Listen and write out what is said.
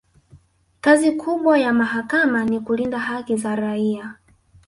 kazi kubwa ya mahakama ni kulinda haki za raia